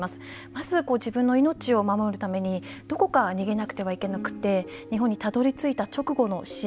まず自分の命を守るためにどこか逃げなくてはいけなくて日本にたどりついた直後の支援。